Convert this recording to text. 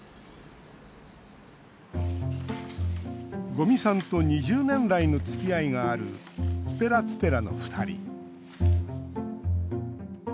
五味さんと２０年来のつきあいがあるｔｕｐｅｒａｔｕｐｅｒａの２人。